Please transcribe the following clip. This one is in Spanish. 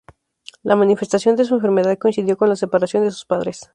La manifestación de su enfermedad coincidió con la separación de sus padres.